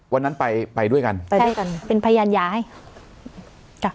วันนั้นไปไปด้วยกันไปด้วยกันเป็นพยานยาให้จ้ะ